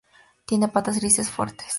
Tiene patas grises, fuertes.